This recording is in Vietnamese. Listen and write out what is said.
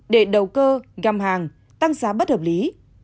để đầu cơ găm hàng tăng giá bất hợp lý